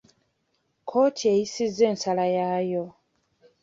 Kkooti eyisizza ensala yaayo.